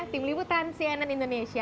tim liputan cnn indonesia